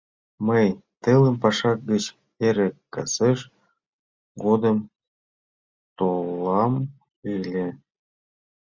мый телым паша гыч эре касеш кодын толам ыле